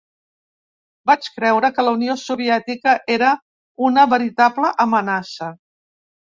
Vaig creure que la Unió Soviètica era una veritable amenaça.